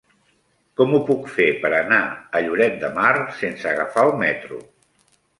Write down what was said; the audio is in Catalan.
Com ho puc fer per anar a Lloret de Mar sense agafar el metro?